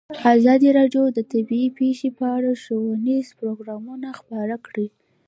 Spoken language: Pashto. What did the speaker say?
ازادي راډیو د طبیعي پېښې په اړه ښوونیز پروګرامونه خپاره کړي.